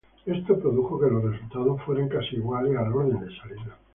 Esto produjo que los resultados fueran casi iguales al orden de salida.